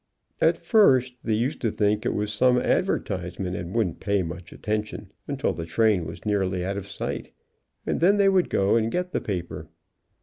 At first they used to think it was some advertisement and wouldn't pay much attention, until the train was nearly out of sight, then they would go and get the paper.